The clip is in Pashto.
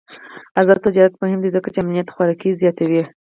آزاد تجارت مهم دی ځکه چې امنیت خوراکي زیاتوي.